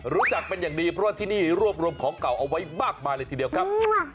รู้จักเป็นอย่างดีเพราะว่าที่นี่รวบรวมของเก่าเอาไว้มากมายเลยทีเดียวครับ